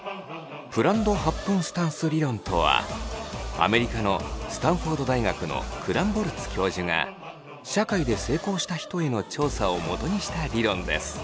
プランドハップンスタンス理論とはアメリカのスタンフォード大学のクランボルツ教授が社会で成功した人への調査をもとにした理論です。